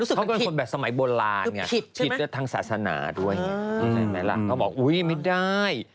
เขาก็เป็นคนแบบสมัยโบราณอย่างนี้ผิดกับทางศาสนาด้วยอย่างนี้ใช่ไหมล่ะเขาบอกอุ๊ยไม่ได้